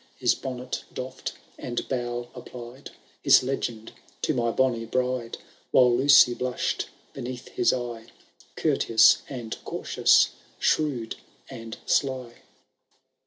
His bonnet doiFM, and bow, applied His legend to my bonny bride ; While Lucy blush'd beneath his eye. Courteous and cautious, shrewd and sly.